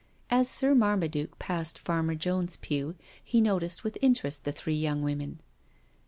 As Sir Marmaduke passed Farmer Jones' pew he noticed with interest the three young women.